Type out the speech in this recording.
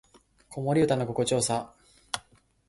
子守唄の心地よさ